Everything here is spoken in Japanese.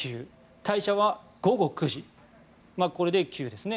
退社は午後９時これで９ですね。